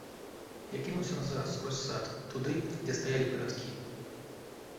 Я кінуўся назад, скрозь сад, туды, дзе стаялі перадкі.